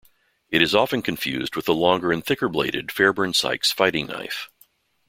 It is often confused with the longer- and thicker-bladed Fairbairn-Sykes fighting knife.